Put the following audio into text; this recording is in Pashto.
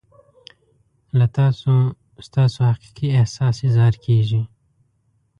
له تاسو ستاسو حقیقي احساس اظهار کیږي.